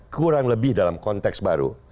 kurang lebih dalam konteks baru